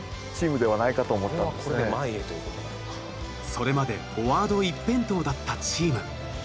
それまでフォワード一辺倒だったチーム。